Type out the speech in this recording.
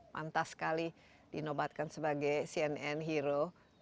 pantas sekali dinobatkan sebagai cnn hero